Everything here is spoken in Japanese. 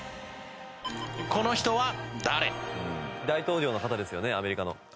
ＭＶＰ大統領の方ですよねアメリカの。